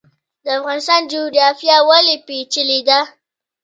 د افغانستان جغرافیا ولې پیچلې ده؟